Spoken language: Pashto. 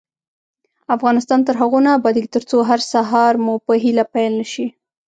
افغانستان تر هغو نه ابادیږي، ترڅو هر سهار مو په هیله پیل نشي.